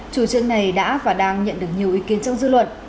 chủ trương này đã và đang nhận được nhiều ý kiến trong dư luận